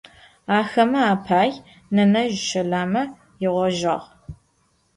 Axeme apaê nenezj şelame ığezjağ.